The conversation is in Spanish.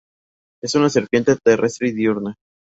Es una serpiente terrestre y diurna.